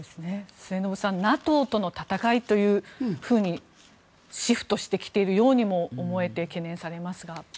末延さん、ＮＡＴＯとの戦いにシフトしているようにも見えてきて懸念されますが。